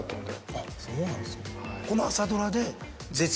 あっそうなんですかこの。